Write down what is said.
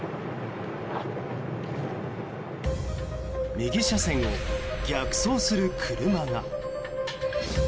右車線を逆走する車が。